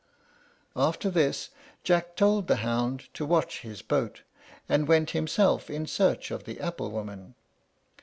After this Jack told the hound to watch his boat, and went himself in search of the apple woman.